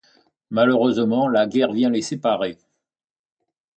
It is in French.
Malheureusement, la guerre vient les séparer.